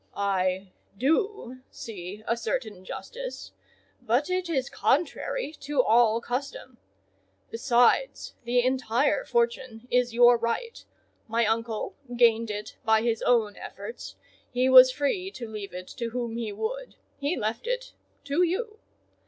"I do see a certain justice; but it is contrary to all custom. Besides, the entire fortune is your right: my uncle gained it by his own efforts; he was free to leave it to whom he would: he left it to you.